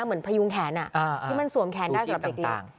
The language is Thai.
ก็เหมือนพยุงแขนที่มันสวมแขนได้สำหรับเด็ก